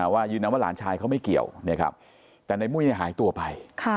ว่ายืนนะว่าหลานชายเขาไม่เกี่ยวนี่ครับแต่นายมุ้ยนี่หายตัวไป